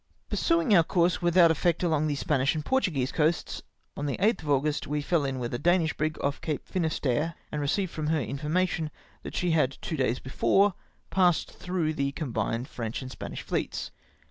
Pur suing om^ course without efiect along the Spanish and Portuguese coasts — on the 8th of August we fell in with a Danish brig ofl" Cape Finisterre, and received from her information that she had two days before passed through the combined French and Spanish fleets.